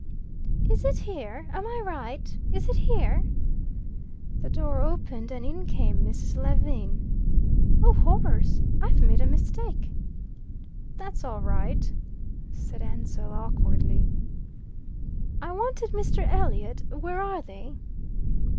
"Is it here? Am I right? Is it here?" The door opened and in came Mrs. Lewin. "Oh horrors! I've made a mistake." "That's all right," said Ansell awkwardly. "I wanted Mr. Elliot. Where are they?"